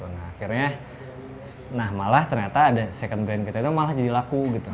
nah akhirnya nah malah ternyata ada second brand kita itu malah jadi laku gitu